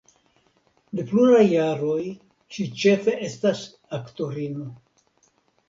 De pluraj jaroj ŝi ĉefe estas aktorino.